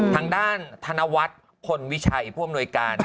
ทางด้านธนวัฒน์พลวิชัยผู้อำนวยการ